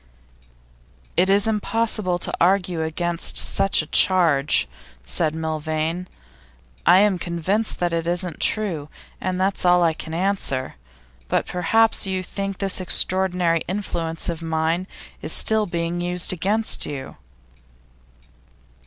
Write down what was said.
'It's impossible to argue against such a charge,' said Milvain. 'I am convinced it isn't true, and that's all I can answer. But perhaps you think this extraordinary influence of mine is still being used against you?